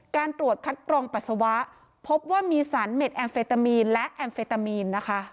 การตรวจคัดกรองปัสสาวะพบว่ามีสารเม็ดแอมเฟตามีนและแอมเฟตามีนนะคะ